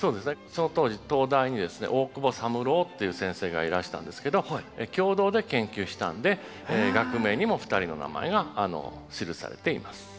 その当時東大にですね大久保三郎っていう先生がいらしたんですけど共同で研究したんで学名にも２人の名前が記されています。